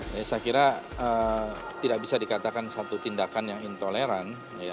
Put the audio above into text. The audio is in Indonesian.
saya kira tidak bisa dikatakan satu tindakan yang intoleran